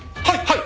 はい！